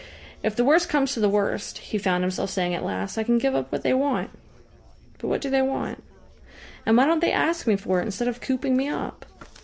"If the worst comes to the worst," he found himself saying at last, "I can give up what they want. But what do they want? And why don't they ask me for it instead of cooping me up?"